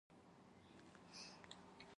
جرم شخصي عمل دی.